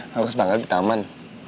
hah harus banget di taman